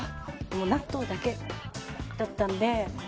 納豆だけだったんで。